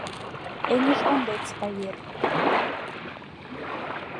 Эҥыжвондет спает